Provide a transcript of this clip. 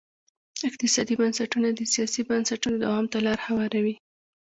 اقتصادي بنسټونه د سیاسي بنسټونو دوام ته لار هواروي.